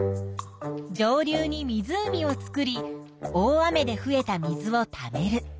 上流に湖を作り大雨で増えた水をためる。